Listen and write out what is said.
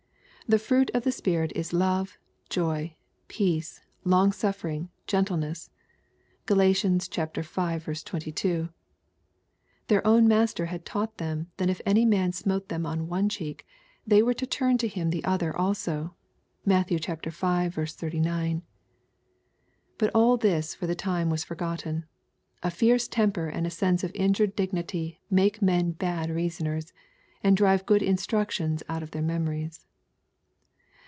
" The fruit of the Spirit is love, joy, peace, long suffering, gentleness." (GaL V. 22.) Their own Master had taught them that if any man smote them on one cheek they were to turn to him the other also. (Matt V. 39.) But all this for the time was forgotten. A fierce temper and a sense of injured dignity make men bad reasoners, and drive good instruction out of their memories.